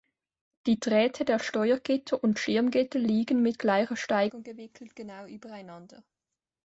Die Drähte der Steuergitter und Schirmgitter liegen, mit gleicher Steigung gewickelt, genau übereinander.